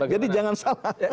jadi jangan salah